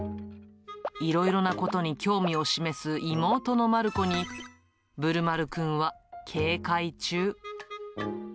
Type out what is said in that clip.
いろいろなことに興味を示す妹のまるこに、ぶるまるくんは警戒中。